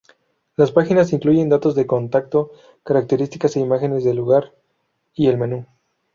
Las páginas incluyen datos de contacto, características e imágenes del lugar y el menú.